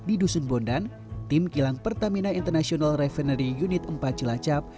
di dusun bondan tim kilang pertamina international refinery unit empat cilacap